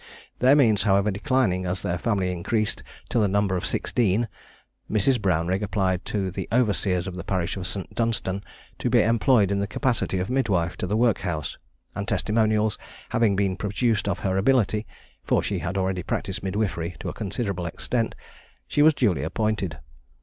Their means, however, declining as their family increased to the number of sixteen, Mrs. Brownrigg applied to the overseers of the parish of St. Dunstan to be employed in the capacity of midwife to the workhouse; and testimonials having been produced of her ability for she had already practised midwifery to a considerable extent she was duly appointed.